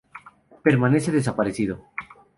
Permanece desaparecido.